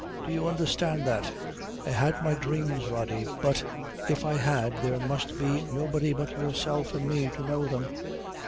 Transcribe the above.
Do you undherstand that? I had my dhrames, Rody; but if I had, there must be nobody but yourself and me to know them."